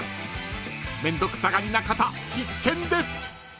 ［面倒くさがりな方必見です！］